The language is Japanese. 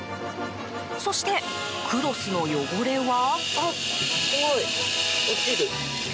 そして、クロスの汚れは。